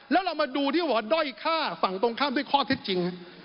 แล้วเรามาดูที่เขาบอกว่าด้อยฆ่าฝั่งตรงข้ามด้วยข้อเท็จจริง